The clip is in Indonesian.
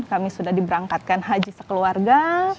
kami sudah diberangkatkan haji sekeluarga